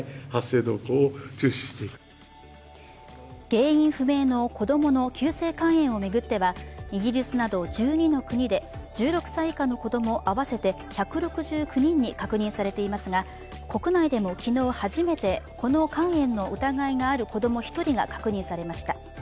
原因不明の子供の急性肝炎を巡ってはイギリスなど１２の国で１６歳以下の子供合わせて１６９人に確認されていますが、国内でも昨日、初めてこの肝炎の疑いがある子供１人が確認されました。